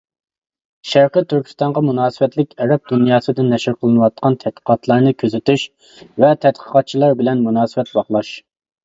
شەرقىي تۈركىستانغا مۇناسىۋەتلىك ئەرەب دۇنياسىدا نەشر قىلىنىۋاتقان تەتقىقاتلارنى كۆزىتىش ۋە تەتقىقاتچىلار بىلەن مۇناسىۋەت باغلاش.